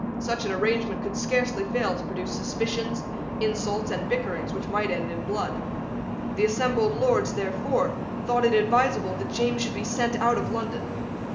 Such an arrangement could scarcely fail to produce suspicions, insults, and bickerings which might end in blood. The assembled Lords, therefore, thought it advisable that James should be sent out of London.